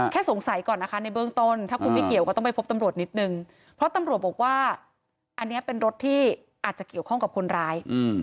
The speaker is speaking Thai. แค่สงสัยก่อนนะคะในเบื้องต้นถ้าคุณไม่เกี่ยวก็ต้องไปพบตำรวจนิดนึงเพราะตำรวจบอกว่าอันนี้เป็นรถที่อาจจะเกี่ยวข้องกับคนร้าย